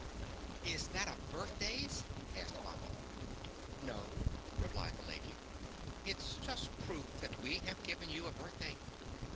"Is that a birthdays?" asked Bobby. "No," replied the Lady, "it's just proof that we have given you a birthday.